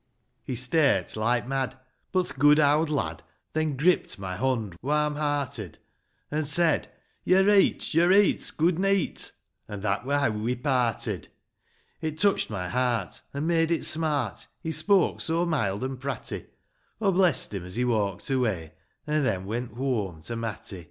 He stare't like mad, but th' good owd lad Then grip't my bond, warm hearted, An' said, " Yo're reet, yo're reet — good neet !" An' that wur heaw we parted. It touched my heart, an' made it smart, He spoke so mild and pratty ;— Aw blest him as he walked away, An' then went whoam to Matty.